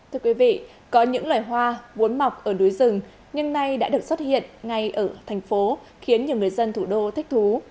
thưa quý vị có những loài hoa vốn mọc ở núi rừng nhưng nay đã được xuất hiện ngay ở thành phố khiến nhiều người dân thủ đô thích thú